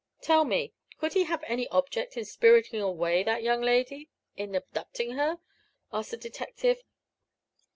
"Tell me, could he have any object in spiriting away that young lady in abducting her?" asked the detective.